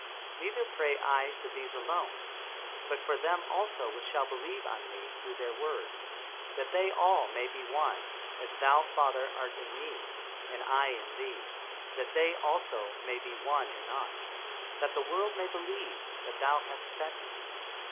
Neither pray I for these alone, but for them also which shall believe on me through their word; that they all may be one; as thou, Father, art in me, and I in thee, that they also may be one in us: that the world may believe that thou hast sent me.